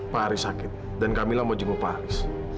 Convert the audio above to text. pak haris sakit dan kamila mau jemput pak haris